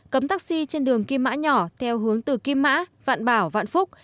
cấm taxi trên đường kim mã nhỏ theo hướng từ kim mã vạn bảo vạn phúc